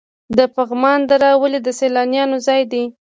د پغمان دره ولې د سیلانیانو ځای دی؟